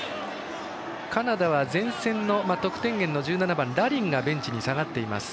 カナダは前線の得点源の１７番ラリンがベンチに下がっています。